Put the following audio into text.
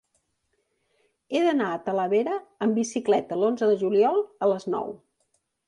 He d'anar a Talavera amb bicicleta l'onze de juliol a les nou.